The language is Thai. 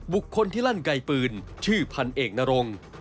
บุคคลที่ลั่นไกลปืนชื่อพันเอกนรง